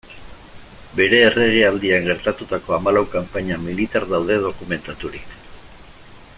Bere erregealdian gertatutako hamalau kanpaina militar daude dokumentaturik.